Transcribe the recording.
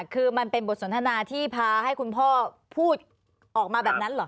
คือมันเป็นบทสนทนาที่พาให้คุณพ่อพูดออกมาแบบนั้นเหรอ